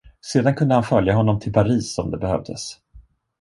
Sedan kunde han följa honom till Paris om det behövdes.